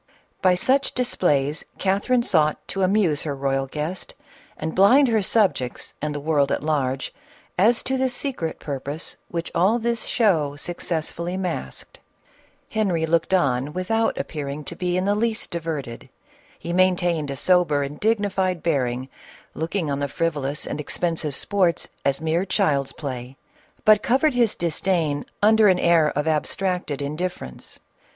By such displays Catherine sought to amuse her royal guest, and blind her subjects and the world at large, as to the secret purpose which all this show suc cessfully masked. Henry looked on without appearing CATHERINE OF RUSSIA. 421 to be in the least diverted ; he maintained a sober and dignified bearing, looking on the frivolous and expen sive sports as mere child's play, but covered his disdain under an air of abstracted indifference.